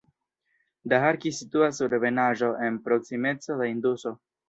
Daharki situas sur ebenaĵo en proksimeco de Induso.